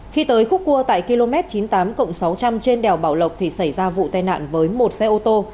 khi tới khúc cua tại km chín mươi tám cộng sáu trăm linh trên đèo bảo lộc thì xảy ra vụ tai nạn với một xe ô tô